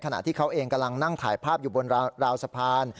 ขณะที่เขาเองกำลังนั่งถ่ายภาพอยู่บนราวสะพาน